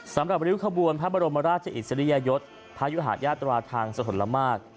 สำหรับริวขบวนพระบรมราชอิสริยยศพยุหะยาตราทางสถลมาก